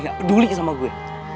gak peduli sama gue